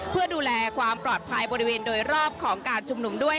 เพื่อดูแลความปลอดภัยบริเวณโดยรอบของการชุมนุมด้วย